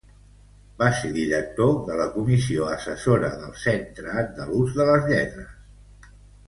Va ser director de la Comissió Assessora del Centre Andalús de les Lletres.